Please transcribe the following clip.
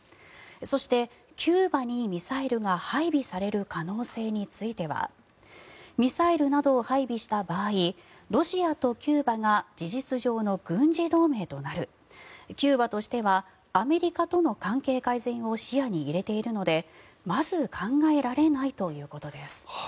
そして、キューバにミサイルが配備される可能性についてはミサイルなどを配備した場合ロシアとキューバが事実上の軍事同盟となるキューバとしてはアメリカとの関係改善を視野に入れているのでまず考えられないということです。